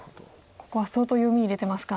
ここは相当読み入れてますか。